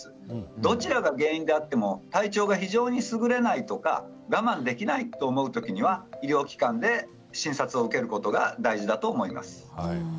どちらが原因であっても体調が非常にすぐれないとか我慢できないと思う時には医療機関で診察を受けることが大事だと思います。